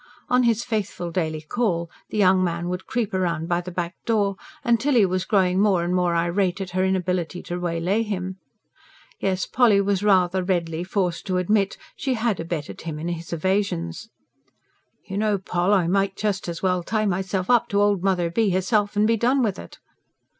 On his faithful daily call, the young man would creep round by the back door, and Tilly was growing more and more irate at her inability to waylay him. Yes, Polly was rather redly forced to admit, she HAD abetted him in his evasions. ("You know, Poll, I might just as well tie myself up to old Mother B. herself and be done with it!")